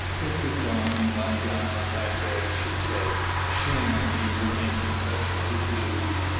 "Get thee gone and lie down on thy bed," she said; "shame on thee for making such a to do.